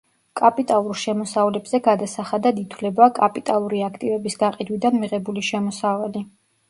კაპიტალურ შემოსავლებზე გადასახადად ითვლება კაპიტალური აქტივების გაყიდვიდან მიღებული შემოსავალი.